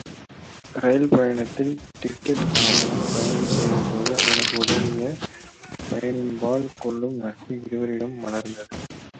ரயில் பணத்தில் டிக்கட்டு இல்லாமல் பயணம் செய்த போது அவனுக்கு உதவிய பயணியின்பால் கொள்ளும் நட்பு இருவரிடம் மலர்ந்தது.